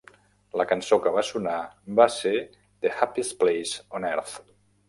La cançó que va sonar va ser "The Happiest Place on Earth".